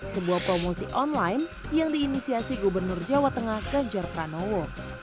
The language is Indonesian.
sebuah promosi online yang diinisiasi gubernur jawa tengah ganjar pranowo